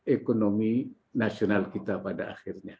ekonomi nasional kita pada akhirnya